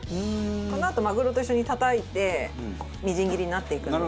このあとマグロと一緒にたたいてみじん切りになっていくので。